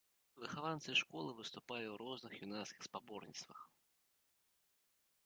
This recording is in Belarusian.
Выхаванцы школы выступалі ў розных юнацкіх спаборніцтвах.